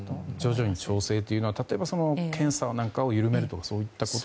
徐々に調整というのは例えば検査なんかを緩めるとかそういった。